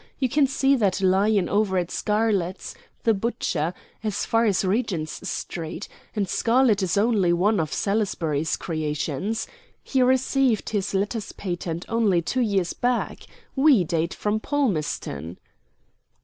You can see that Lion over Scarlett's, the butcher, as far as Regent Street, and Scarlett is only one of Salisbury's creations. He received his Letters Patent only two years back. We date from Palmerston."